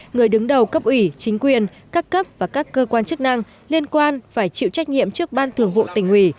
người đứng đầu cấp ủy chính quyền các cấp và các cơ quan chức năng liên quan phải chịu trách nhiệm trước ban thường vụ tỉnh ủy